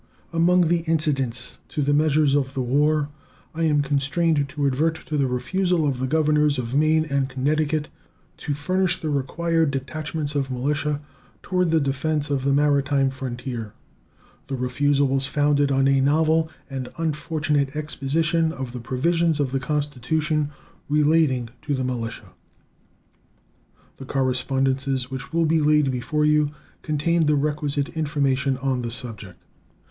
Among the incidents to the measures of the war I am constrained to advert to the refusal of the governors of Maine and Connecticut to furnish the required detachments of militia toward the defense of the maritime frontier. The refusal was founded on a novel and unfortunate exposition of the provisions of the Constitution relating to the militia. The correspondences which will be laid before you contain the requisite information on the subject.